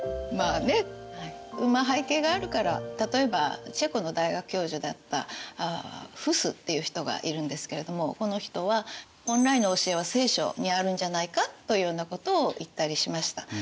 まあねまあ背景があるから例えばチェコの大学教授だったフスっていう人がいるんですけれどもこの人は本来の教えは「聖書」にあるんじゃないかというようなことを言ったりしました。